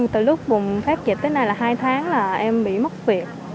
từ lúc bùng phát dịch tới nay là hai tháng là em bị mất việc